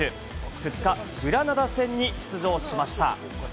２日、グラナダ戦に出場しました。